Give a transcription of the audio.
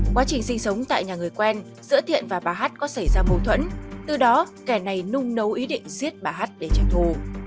quá trình sinh sống tại nhà người quen giữa thiện và bà hát có xảy ra mâu thuẫn từ đó kẻ này nung nấu ý định giết bà h để tranh thủ